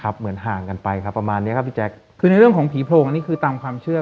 เหมือนห่างกันไปครับประมาณเนี้ยครับพี่แจ๊คคือในเรื่องของผีโพรงอันนี้คือตามความเชื่อ